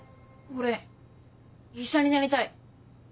俺医者になりたい。